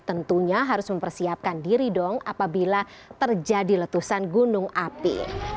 tentunya harus mempersiapkan diri dong apabila terjadi letusan gunung api